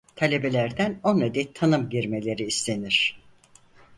Talebelerden on adet tanım girmeleri istenir.